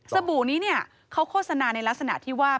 สบู่นี้เขาโฆษณาในลักษณะที่ว่า